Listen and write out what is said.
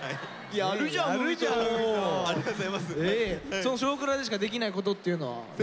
その「少クラ」でしかできないことっていうのは何ですか？